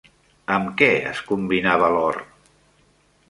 Amb què es combinava l'or?